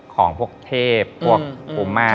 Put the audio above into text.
ของพวกเทพพวกโอมา